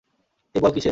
এই বল কীসের?